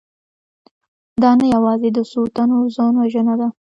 دا نه یوازې د څو تنو ځانوژنه ده